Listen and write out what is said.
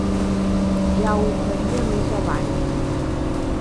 Ja ho faria més avant.